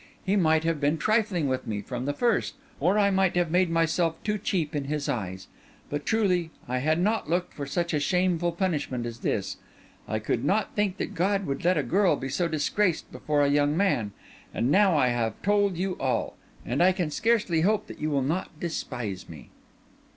He might have been trifling with me from the first; or I might have made myself too cheap in his eyes. But truly I had not looked for such a shameful punishment as this! I could not think that God would let a girl be so disgraced before a young man. And now I have told you all; and I can scarcely hope that you will not despise me."